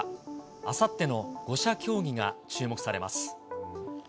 あさっての５者協議が注目されます。